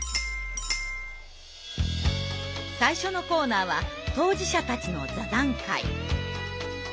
最初のコーナーは当事者たちの座談会。